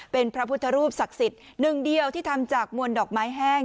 เป็นพระพุทธรูปศักดิ์สิทธิ์หนึ่งเดียวที่ทำจากมวลดอกไม้แห้ง